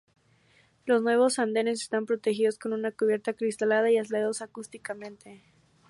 Los nuevos andenes están protegidos con una cubierta acristalada y aislados acústicamente.